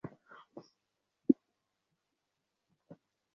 তার মৃত্যুতে বিদ্যালয়ের সবাই শোকে কাতর, গভীর শোক জানিয়েছে সুইড বাংলাদেশ।